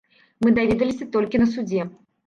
Мы даведаліся толькі на судзе.